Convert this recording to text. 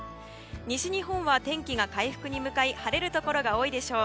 西日本は天気が回復に向かい晴れるところが多いでしょう。